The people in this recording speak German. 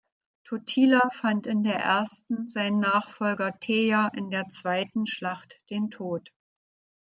Totila fand in der ersten, sein Nachfolger Teja in der zweiten Schlacht den Tod.